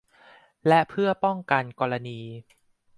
และเพื่อป้องกันกรณี